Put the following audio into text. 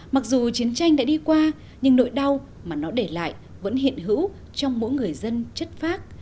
mặc dù chiến tranh đã đi qua nhưng nỗi đau mà nó để lại vẫn hiện hữu trong mỗi người dân chất phác